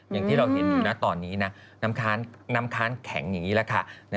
อย่างที่เราเห็นอยู่นะตอนนี้นะน้ำค้านแข็งอย่างนี้แหละค่ะ